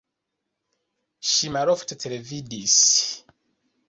Ŝi malofte televidis.